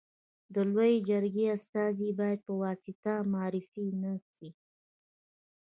د لويي جرګي استازي باید په واسطه معرفي نه سي.